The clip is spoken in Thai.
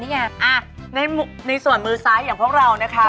นี่ไงในส่วนมือซ้ายอย่างพวกเรานะคะ